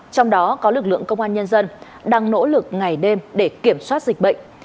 trong đó có lực lượng công an nhân dân đang nỗ lực ngày đêm để kiểm soát dịch bệnh